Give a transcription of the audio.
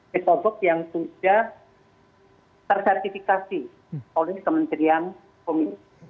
set topoks yang sudah ter sertifikasi oleh kementerian komite